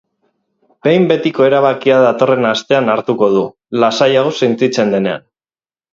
Behin betiko erabakia datorren astean hartuko du, lasaiago sentitzen denean.